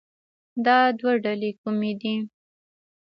دا دوه ډلې کومې دي